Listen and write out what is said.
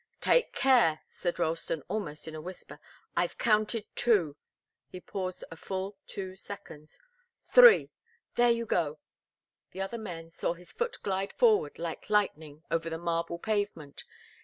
"Take care!" said Ralston, almost in a whisper. "I've counted two." He paused a full two seconds. "Three! There you go!" The other men saw his foot glide forward like lightning over the marble pavement.